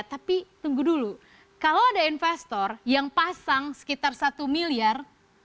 tapi tunggu dulu kalau ada investor yang pasang sekitar satu miliar